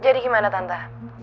jadi gimana tante